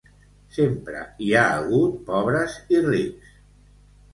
Sempre hi ha hagut pobres i rics.